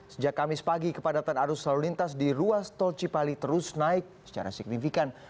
sejak kamis pagi kepadatan arus lalu lintas di ruas tol cipali terus naik secara signifikan